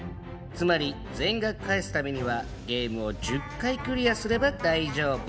つまり全額返すためにはゲームを１０回クリアすれば大丈Ｖ。